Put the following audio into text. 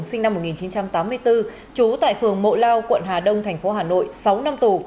sinh năm một nghìn chín trăm tám mươi bốn trú tại phường mộ lao quận hà đông tp hà nội sáu năm tù